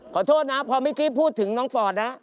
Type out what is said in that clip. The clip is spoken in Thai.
ขอโทษนะพอเมื่อกี้พูดถึงน้องฟอร์ดนะ